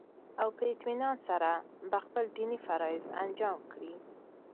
او په اطمينان سره به خپل ديني فرايض انجام كړي